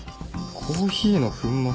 コーヒーの粉末？